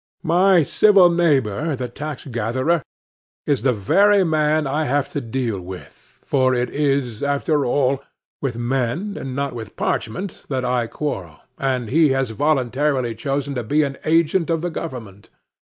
My civil neighbor, the tax gatherer, is the very man I have to deal with,—for it is, after all, with men and not with parchment that I quarrel,—and he has voluntarily chosen to be an agent of the government.